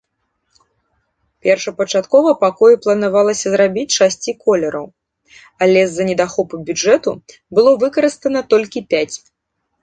Першапачаткова пакоі планавалася зрабіць шасці колераў, але з-за недахопу бюджэту было выкарыстана толькі пяць.